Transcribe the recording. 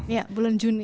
iya bulan juni